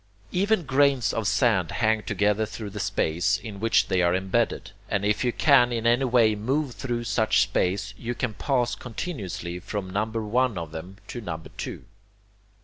Even grains of sand hang together through the space in which they are embedded, and if you can in any way move through such space, you can pass continuously from number one of them to number two.